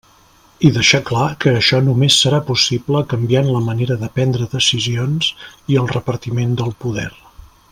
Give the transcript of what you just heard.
I deixar clar que això només serà possible canviant la manera de prendre decisions i el repartiment del poder.